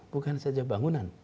bukan saja bangunan